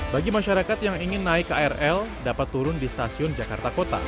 bagi masyarakat yang ingin naik krl dapat turun di stasiun jakarta kota